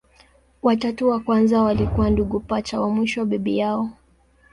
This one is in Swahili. Watatu wa kwanza walikuwa ndugu pacha, wa mwisho bibi yao.